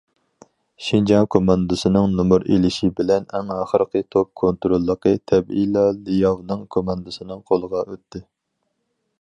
شىنجاڭ كوماندىسىنىڭ نومۇر ئېلىشى بىلەن ئەڭ ئاخىرقى توپ كونتروللۇقى تەبىئىيلا لياۋنىڭ كوماندىسىنىڭ قولىغا ئۆتتى.